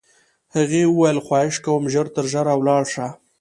هغې وویل: خواهش کوم، ژر تر ژره ولاړ شه.